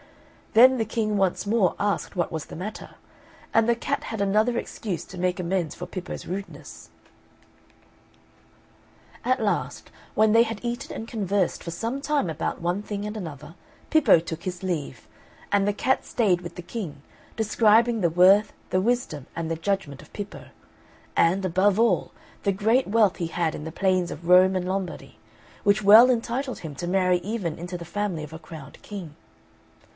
Then the King once more asked what was the matter, and the cat had another excuse to make amends for Pippo's rudeness. At last, when they had eaten and conversed for some time about one thing and another, Pippo took his leave; and the cat stayed with the King, describing the worth, the wisdom, and the judgment of Pippo; and, above all, the great wealth he had in the plains of Rome and Lombardy, which well entitled him to marry even into the family of a crowned King.